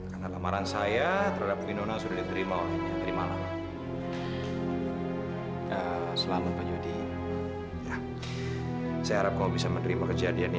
karena lamaran saya terhadap winona sudah diterima olehnya